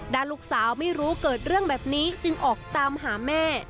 ด้านลูกสาวไม่รู้เกิดเรื่องแบบนี้จึงออกตามหาแม่